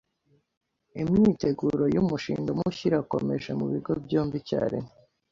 Imyiteguro yumushinga mushya irakomeje mu bigo byombi icyarimwe.